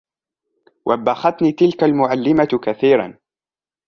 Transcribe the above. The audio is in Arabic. وبختني تلك المعلمة كثيرًا.